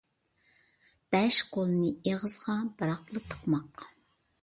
بەش قولنى ئېغىزغا بىراقلا تىقماق